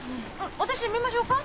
私見ましょうか？